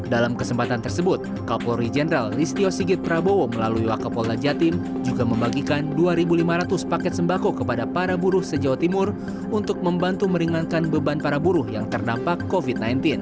dalam kesempatan tersebut kapolri jenderal listio sigit prabowo melalui wakapolda jatim juga membagikan dua lima ratus paket sembako kepada para buruh se jawa timur untuk membantu meringankan beban para buruh yang terdampak covid sembilan belas